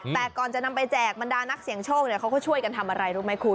แต่ก่อนจะนำไปแจกบรรดานักเสี่ยงโชคเขาก็ช่วยกันทำอะไรรู้ไหมคุณ